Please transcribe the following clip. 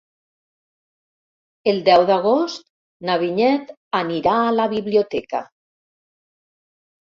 El deu d'agost na Vinyet anirà a la biblioteca.